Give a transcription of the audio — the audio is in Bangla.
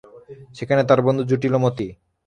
সেখানে তাহার বন্ধু জুটিল মতি।